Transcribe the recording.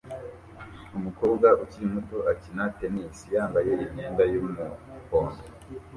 Umukobwa ukiri muto akina tennis yambaye imyenda yumuhondo